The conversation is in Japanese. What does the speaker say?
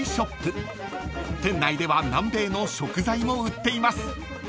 ［店内では南米の食材も売っています］